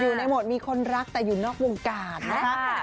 อยู่ในหมดมีคนรักแต่อยู่นอกวงการนะคะ